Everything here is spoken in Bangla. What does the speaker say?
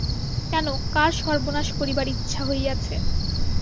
কেন, কার সর্বনাশ করিবার ইচ্ছা হইয়াছে।